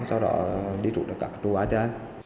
sau đó đi trụ tất cả các trụ ái ra